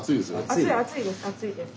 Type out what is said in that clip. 熱い熱いです熱いです。